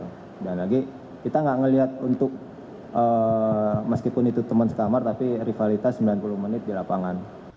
dan lagi kita gak ngelihat untuk meskipun itu teman sekamar tapi rivalitas sembilan puluh menit di lapangan